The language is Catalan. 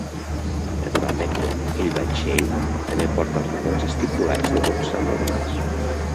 Naturalment, el vaixell també porta els models estipulats de bots salvavides.